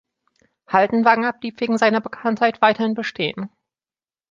Haldenwanger“ blieb wegen seiner Bekanntheit weiterhin bestehen.